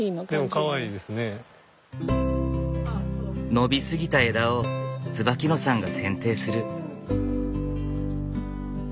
伸び過ぎた枝を椿野さんが剪定する。